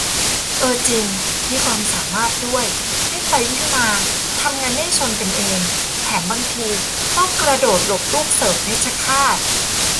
เอ้อ จริง มีความสามารถด้วย วิ่งไปวิ่งมาทำไงไม่ให้ชนกันเอง แถมบางทีต้องกระโดดหลบลูกเสิร์ฟเพชรฆาต !